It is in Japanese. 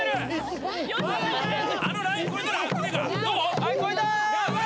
はい越えた！